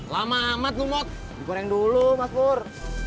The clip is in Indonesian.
lama amat umut goreng dulu mas nur